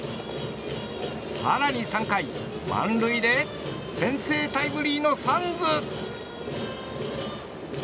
更に３回、満塁で先制タイムリーのサンズ。